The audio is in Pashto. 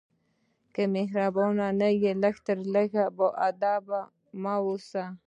که مهربان نه یې، لږ تر لږه بېادبه مه اوسه.